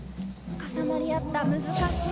重なり合った難しい。